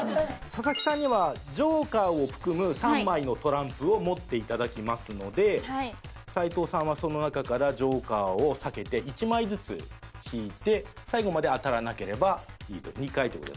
佐々木さんにはジョーカーを含む３枚のトランプを持っていただきますので齊藤さんはその中からジョーカーを避けて１枚ずつ引いて最後まで当たらなければいいと２回って事ですね。